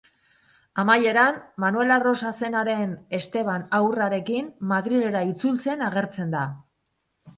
Amaieran, Manuela Rosa zenaren Esteban haurrarekin Madrilera itzultzen agertzen da.